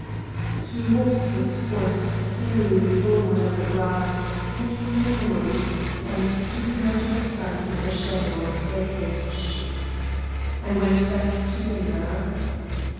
He walked his horse slowly forward on the grass, making no noise, and keeping out of sight in the shadow of the hedge. I went back to Minna.